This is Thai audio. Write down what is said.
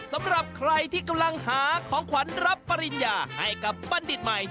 สำหรับใครที่กำลังหาของขวัญรับปริญญาให้กับบัณฑิตใหม่